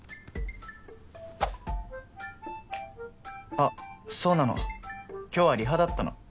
あっそうなの今日はリハだったの。